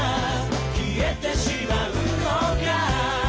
「消えてしまうのかい」